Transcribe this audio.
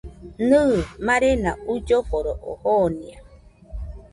Nɨ, marena uilloforo oo jonia